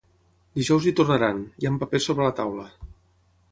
Dijous hi tornaran, ja amb papers sobre la taula.